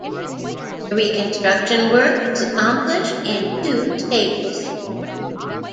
The reconstruction work was accomplished in two stages.